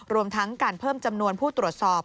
รวมทั้งการเพิ่มจำนวนผู้ตรวจสอบ